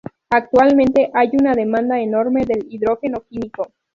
Actualmente, hay una demanda enorme del hidrógeno químico.